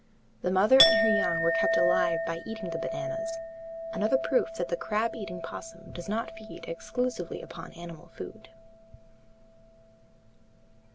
The mother and young were kept alive by eating the bananas, another proof that the crab eating opossum does not feed exclusively upon animal food.